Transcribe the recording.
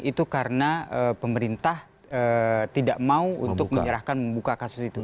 itu karena pemerintah tidak mau untuk menyerahkan membuka kasus itu